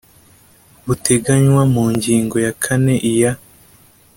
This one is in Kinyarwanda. buteganywa mu ngingo ya kane iya